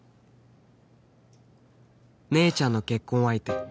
姉ちゃんの結婚相手